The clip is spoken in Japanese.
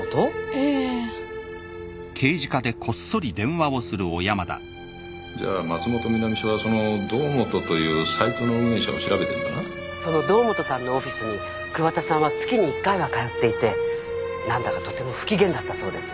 ええじゃあ松本南署はその堂本というサイトの運営者を調べてんだなその堂本さんのオフィスに桑田さんは月に一回は通っていてなんだかとても不機嫌だったそうです